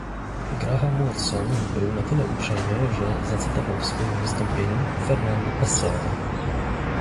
Graham Watson był na tyle uprzejmy, że zacytował w swoim wystąpieniu Fernando Pessoę